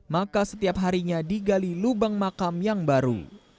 maka setiap harinya digali lubang makam yang baru